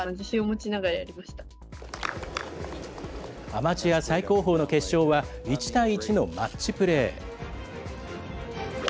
アマチュア最高峰の決勝は、１対１のマッチプレー。